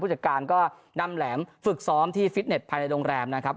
จัดการก็นำแหลมฝึกซ้อมที่ฟิตเน็ตภายในโรงแรมนะครับ